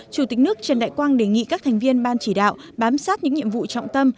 chủ tịch nước trần đại quang đề nghị các thành viên ban chỉ đạo bám sát những nhiệm vụ trọng tâm